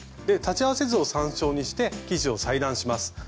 裁ち合わせ図を参照して生地を裁断します。